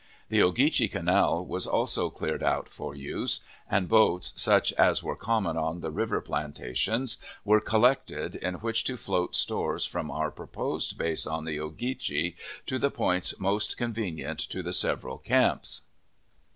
The Ogeechee Canal was also cleared out for use; and boats, such as were common on the river plantations, were collected, in which to float stores from our proposed base on the Ogeechee to the points most convenient to the several camps.